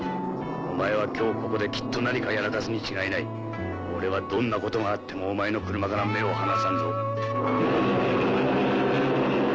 お前は今日ここできっと何かやらかすに違いない俺はどんなことがあってもお前の車から目を離さんぞ